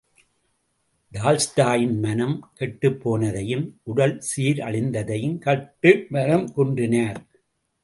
டால்ஸ்டாயின் மனம் கெட்டுப் போனதையும் உடல் சீரழிந்ததையும் கண்டு மனம் குன்றினார்!